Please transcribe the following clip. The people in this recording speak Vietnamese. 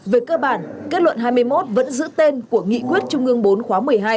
về cơ bản kết luận hai mươi một vẫn giữ tên của nghị quyết trung ương bốn khóa một mươi hai